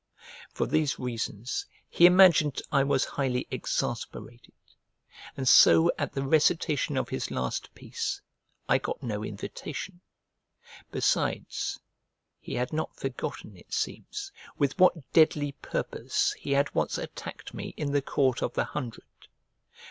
For these reasons he imagined I was highly exasperated, and so at the recitation of his last piece, I got no invitation. Besides, he had not forgotten, it seems, with what deadly purpose he had once attacked me in the Court of the Hundred.